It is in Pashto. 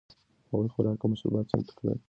هغوی خوراک او مشروبات چمتو کړل.